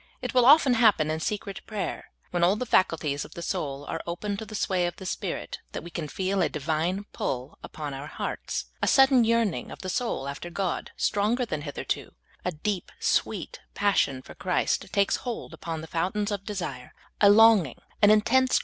It will often happen in secret prayer, when all the faculties of the soul are open to the swaj^ of the Spirit, that we can feel a Divine pull upon our hearts, a sudden yearning of the soul after God stronger than hitherto ; a deep, sweet passion for Christ takes hold upon the fountains of desire ; a longing, an intense THE DIVINE PULL.